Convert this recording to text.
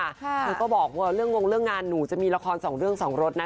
เธอก็บอกว่าเรื่องงงเรื่องงานหนูจะมีละครสองเรื่องสองรสนะ